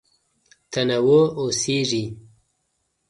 تنوع اوسېږي.